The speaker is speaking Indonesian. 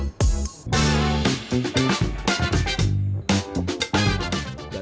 kedua penyelenggaraan pembayaran digital